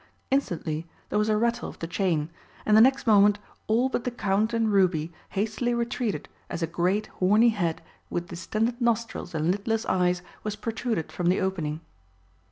Instantly there was a rattle of the chain, and the next moment all but the Count and Ruby hastily retreated as a great horny head with distended nostrils and lidless eyes was protruded from the opening.